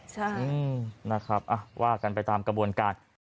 ใช่นะครับว่ากันไปตามกระบวนการ